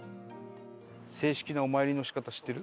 正式なお参りの仕方知ってる？